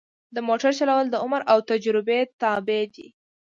د موټر چلول د عمر او تجربه تابع دي.